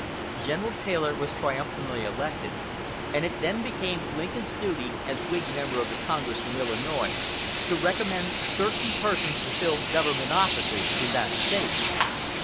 General Taylor was triumphantly elected, and it then became Lincoln's duty, as Whig member of Congress from Illinois, to recommend certain persons to fill government offices in that State.